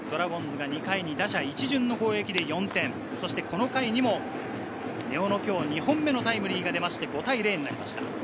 ドラゴンズが２回に打者一巡の攻撃で４点、そしてこの回にも、根尾の２本目のタイムリーが出て５対０となりました。